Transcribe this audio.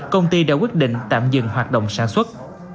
công ty đã quyết định tạm dừng hoạt động sản xuất